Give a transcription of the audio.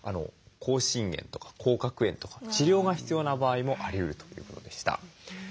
口唇炎とか口角炎とか治療が必要な場合もありうるということでした。